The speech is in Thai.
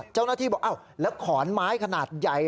เจ้าหน้าที่บอกอ้าวแล้วขอนไม้ขนาดใหญ่